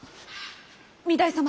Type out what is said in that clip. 御台様。